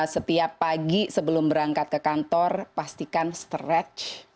setiap pagi sebelum berangkat ke kantor pastikan stretch